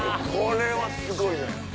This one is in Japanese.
これはすごいね。